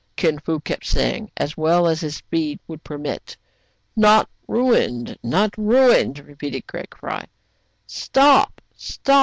'* Kin Fo kept saying, as well as his speed would permit. "Not ruined, not ruined!" repeated Fry Craig. " Stop, stop !